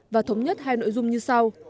và thống nhất hai nội dung như sau